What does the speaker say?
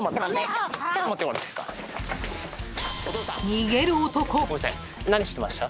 ［逃げる男］